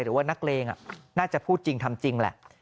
หรือว่านักเลงน่าจะพูดจริงทำจริงแหละ